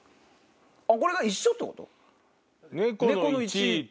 これが一緒ってこと？